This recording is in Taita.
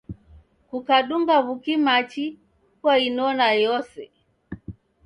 Kukadunga w'uki machi kwainona yose.